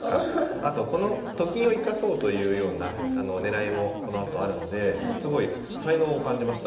あとこのと金を生かそうというような狙いもこのあとあるのですごい才能を感じました。